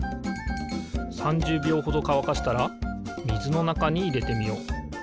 ３０びょうほどかわかしたらみずのなかにいれてみよう。